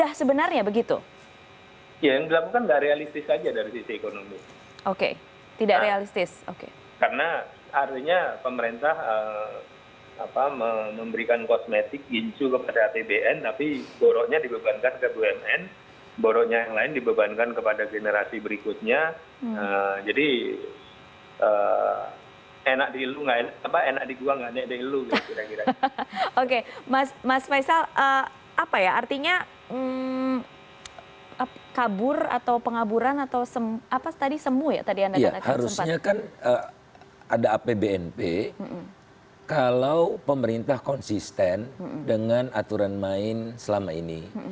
kan begitu pilihan ini